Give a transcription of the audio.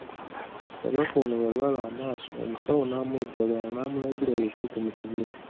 Kabaka ono yalwala amaaso omusawo n'amuwa eddagala, n'amulagira yeekweke mu kibira.